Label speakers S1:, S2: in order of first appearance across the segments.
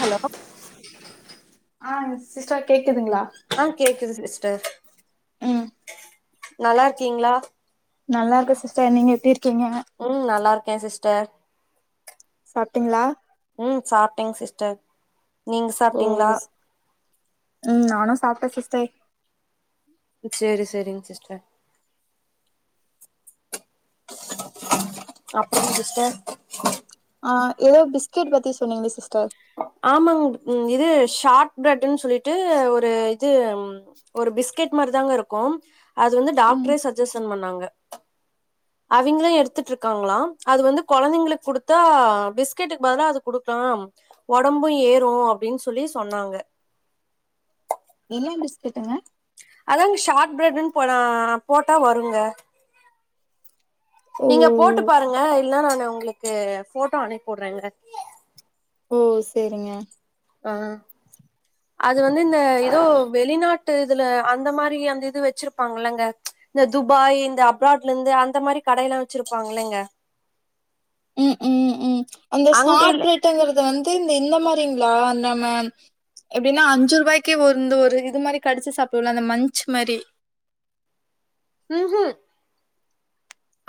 S1: Hello
S2: ஆ sister கேக்குதுங்ளா
S1: அ கேக்குது சிஸ்டர்
S2: ம்
S1: நல்லாருக்கீங்ளா
S2: நல்லாருக்க சிஸ்டர் நீங்க எப்டி இருக்கீங்க
S1: ம் நல்லாருக்கே சிஸ்டர்
S2: சாப்டீங்ளா
S1: உம் சாப்டேங் சிஸ்டர் நீங்க
S2: ஓ
S1: சாப்ட்டீங்ளா
S2: ஸ்- ம் நானு சாப்ட்ட சிஸ்டே
S1: சேரி சேரிங் சிஸ்டர் அப்ரோ சிஸ்டர்
S2: ஆ ஏதோ பிஸ்கேட் பத்தி சொன்னேங்ளே சிஸ்டர்
S1: ஆமாங் இது ஷார்ட் ப்ரெட்ன்னு சொல்லிட்டு ஒரு திம் ஒரு பிஸ்கெட் மாரிதாங்க இருக்கும் அது வந்து
S2: ம்
S1: டாக்டரே சஜ்ஜசன் பண்ணாங்க அவிங்ளே எடுத்துட்டு இருக்காங்களா அது வந்து கொழந்தைங்களுக் குடுத்தா பிஸ்கெட்டுக்கு பதுலா அது குடுக்கலாம் ஒடம்பு ஏறு அப்டின் சொல்லி சொன்னாங்க
S2: என்ன பிஸ்கெட்டுங்க
S1: அதாங்க ஷார்ட் ப்ரெட்ன்னு போனா போட்டா வருங்க
S2: ஓ
S1: நீங்க போட்டு பாருங்க இல்ல நானு உங்ளுக்கு ஃபோட்டோ அனுப்பிவுட்றேங்க
S2: ஓ சேரிங்க
S1: ஆ அது வந்து இந்த எதோ வெளிநாட் ட்டு இதுல அந்த மாரி அந்த இது வெச்சிருப்பாங்கல்லங்க இந்த துபாய் இந்த அப்ராட்லந்து அந்த மாரி கடையெல்லா வெச்சிருப்பாங்கல்லங்க
S2: ம் ம் ம் அந்த
S1: அங்க
S2: சாட்
S1: இல்ல
S2: ப்ரெடுங்கறது வந்து இந்த இந்த மாரிங்ளா நம்ம எப்டின்னா அஞ்சுருவாய்க்கு வந்து ஒரு இது மாரி கடுச்சு சாப்டுவல்ல அந்த மன்ச் மாரி
S1: ம் ம்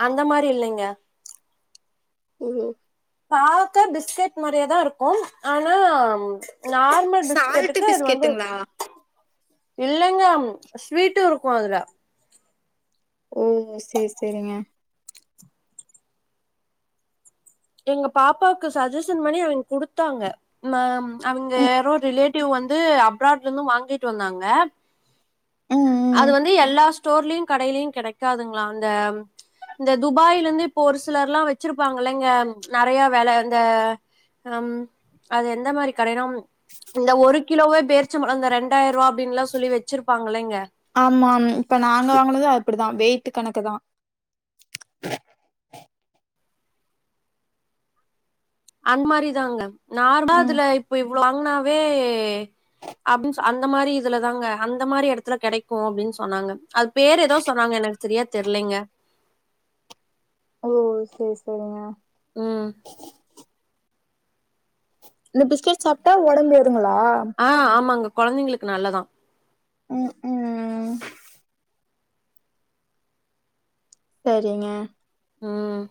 S1: அந்த மாரி இல்லைங்க
S2: ஓ ஓ
S1: பாக்க பிஸ்கெட் மாரியே தா இருக்கும் ஆனா நார்மல்
S2: சால்ட்
S1: பிஸ்கெட்டுக்கு இது வந்து
S2: பிஸ்கெட்டுங்களா
S1: இல்லைங்க ஸ்வீட்டு இருக்கு அதுல
S2: ஓ சேர் செரிங்க
S1: எங்க பாப்பாவுக்கு சஜ்ஜசன் பண்ணி அவிங் குடுத்தாங்க நா அவிங்க
S2: ம்
S1: யாரோ ரிலேட் டிவ் வந்து அப்ராட்லருந்து வாங்கிட் வந்தாங்க
S2: ம் ம்
S1: அது வந்து எல்லா ஸ்டோர்லியு கடையிலியு கெடைக்காதுங்ளா அந்த இந்த துபாய்லந்து இப்போ ஒரு சிலர்லா வெச்சிருப்பாங்கல்லைங்க நறையா வெல அந்த ம் அது எந்த மாரி கடைனா இந்த ஒரு கிலோவே பேர்ச்ச பழோ அந்த ரெண்டாயரூவா அப்டின்லா சொல்லி வெச்சிருப்பாங்களேங்க
S2: ஆமாம் இப்ப நாங்க வாங்குனது அப்புடிதா வெயிட்டு கணக்கு தா
S1: அந் மாரி தாங்க நார்ம்லா
S2: ம்.
S1: அதுல இப்ப இவ்ளோ வாங்னாவே அப்டின் சொ அந்த மாரி இதுலதாங்க அந்த மாரி எடத்துல கெடைக்கு அப்டின் சொன்னாங்க அது பேரு எதோ சொன்னாங்க எனக் செரியா தெர்லேங்க
S2: ஓ சேர் செரிங்க
S1: ம்
S2: இந்த பிஸ்கேட் சாப்ட்டா ஒடம்பு ஏருங்ளா
S1: ஆ ஆமாங்க கொழந்தைங்களுக்கு நல்லதா
S2: ம் ம் செரிங்க
S1: ம்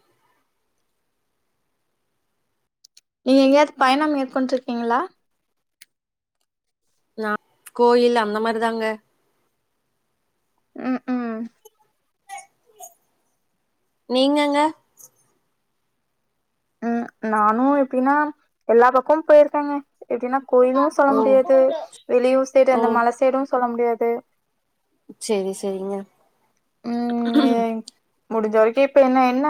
S2: நீங்க எங்கேயாவ்து பயணம் மேற்கொண்டுருக்கீங்களா
S1: நா கோயில் அந்த மாரி தாங்க
S2: ம் ம்
S1: நீங்கங்க
S2: ம் நானு எப்டின்னா எல்லா பக்கம் போயிருக்கேங்க எப்டின்னா கோயிலு சொல்ல
S1: ஓ
S2: முடியாது வெளியூர் சைடு
S1: ஓ
S2: அந்த மல சைடும் சொல்ல முடியாது
S1: செரி செரிங்க
S2: ம் எ முடிஞ்ச வரைக்கு இப்ப என்ன என்ன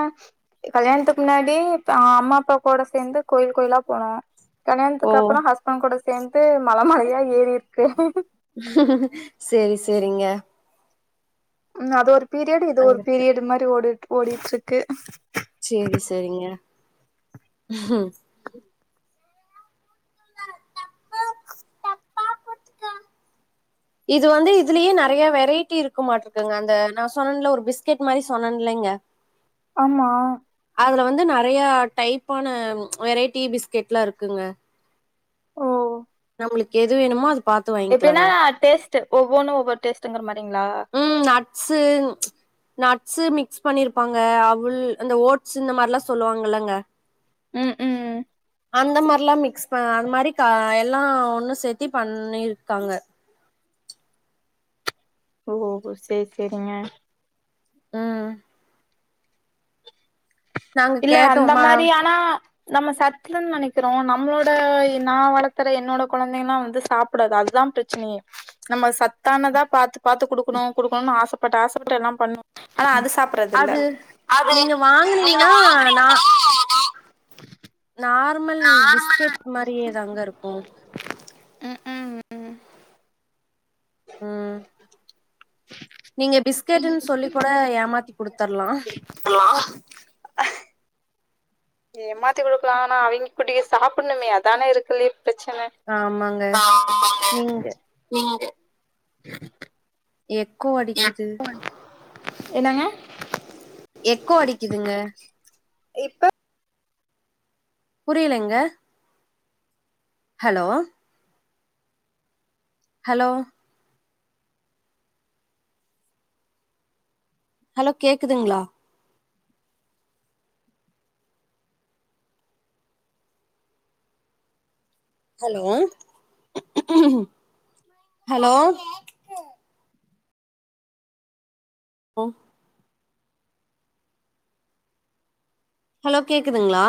S2: கல்யாணத்துக்கு முன்னாடி பா அம்மா அப்பா கூட சேந்து கோயில் கோயிலா போனோ
S1: ஓ
S2: கல்யாணத்துக்கு அப்புறம் ஹஸ்பண்ட் கூட சேந்து மல மலயா ஏறி இருக்க
S1: செரி செரிங்க
S2: அது ஒரு பீரியடு இது
S1: அங்க
S2: ஒரு
S1: இருக்கு
S2: பீரியடு மாரி ஓடி ஓடிட்ருக்கு
S1: சேரி செரிங்க
S2: [inaudible]
S1: இது வந்து இதுலயே நெறைய வெரைட்டி இருக் கு மாட்டருக்குங்க அந்த நா சொன்ன இல்ல ஒரு பிஸ்கேட் மாரி சொன்னேன் இல்லங்க
S2: ஆமா
S1: அதுல வந்து நறையா டைப்பான வெரைட்டி பிஸ்கெட்லா இருக்குங்க
S2: ஓ
S1: நம்மளுக்கு எது வேணுமோ அது பாத்து
S2: எப்டினா
S1: வாங்கிக்கலாங்க
S2: டேஸ்ட்டு ஒவ்வொன்னும் ஒவ்வொரு டேஸ்ட்டுங்கிற மாரிங்கிளா
S1: ம் நட்ஸு நட்ஸு மிக்ஸ் பண்ணியிருப்பாங்க அவுல் அந்த ஓட்ஸ் இந்த மாரிலா சொல்லுவாங்க இல்லங்க
S2: ம் ம் ம்
S1: அந்த மாரிலாம் மிக்ஸ் ப அது மாரி தா எல்லாம் ஒன்னு சேத்தி பண்ணிருக்காங்க
S2: ஓ செரி செரிங்க
S1: ம் நாங்க
S2: இல்ல அந்த
S1: கேட்டோமா
S2: மாரி ஆனா நம்ம சத்துன் நெனைக்கிறோம் நம்மளோட நா வளத்தற என்னோட கொழந்தைங்கல்லா வந்து சாப்டாது அதுதா பிரச் சன நம்ம சத்தானதா பாத்து பாத்து குடுக்கணும் குடுக்கணுன்னு ஆசப்பட்டு ஆசப்பட்டு எல்லாம் பண்ணோ
S1: ம் அது நீங்க
S2: நீங்க
S1: வாங்கனீங்கன்னா நா
S2: வாங்குனீங்கன்னா
S1: நார்மல்
S2: நார்மல்
S1: பிஸ்கேட் மாரியே தாங்க இருக்கும் ம்
S2: [inaudible]
S1: நீங்க பிஸ்கேட்டுன் சொல்லி கூட ஏமாத்தி குடுத்தரலாம்
S2: சொல்லலா ஏமாத்தி குடுக்கலா ஆனா அவங்க எப்டி சாப்பணுமே அதான இருக்கிறல்லையே பிரச்சன
S1: ஆமாங்க
S2: ஆமாங்க
S1: நீங்க
S2: நீங்க
S1: எக்கோ அடிக்கிது
S2: என்னாங்க
S1: எக்கோ அடிக்கிதுங்க
S2: இப்ப
S1: புரியிலைங்க ஹலோ ஹலோ ஹலோ கேக்குதுங்களா ஹலோ ஹலோ ஓ ஹலோ கேக்குதுங்கிளா